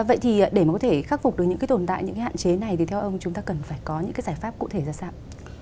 vậy thì để mà có thể khắc phục được những cái tồn tại những cái hạn chế này thì theo ông chúng ta cần phải có những cái giải pháp cụ thể ra sao